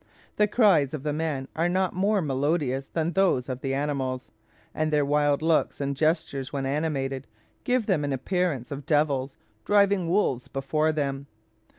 The cries of the men are not more melodious than those of the animals; and their wild looks and gestures when animated, give them an appearance of devils driving wolves before them.